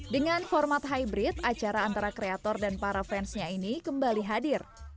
dengan format hybrid acara antara kreator dan para fansnya ini kembali hadir